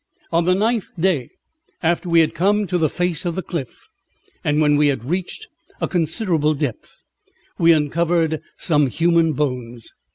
On the ninth day after we had come to the face of the cliff, and when we had reached a considerable depth, we uncovered some human bones.